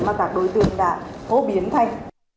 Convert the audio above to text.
mà các đối tượng đã hố biến thành